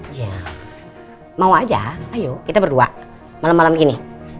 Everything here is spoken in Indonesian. ya mau aja ayo kita berdua malem malem gini